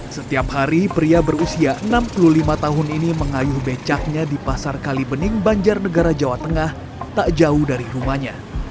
setiap hari pria berusia enam puluh lima tahun ini mengayuh becaknya di pasar kalibening banjar negara jawa tengah tak jauh dari rumahnya